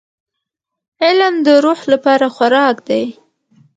• علم د روح لپاره خوراک دی.